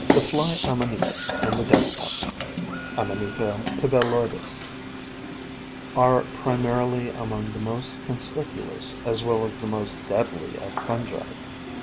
The Fly Amanita and the Death Cup (Ama nita pballoides) are primarily among the most con spicuous as well as the most deadly of fungi.